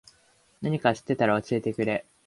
なにか知ってたら教えてくれ。